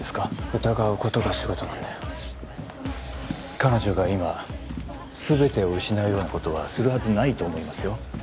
疑うことが仕事なんで彼女が今全てを失うようなことはするはずないと思いますよ